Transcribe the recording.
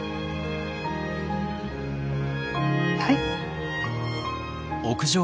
はい。